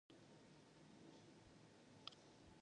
They settled near Princeton, between the Patoka and White Rivers.